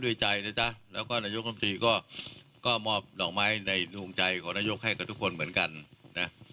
ใจนะจ๊ะแล้วก็นายกรรมตรีก็มอบดอกไม้ในดวงใจของนายกให้กับทุกคนเหมือนกันนะ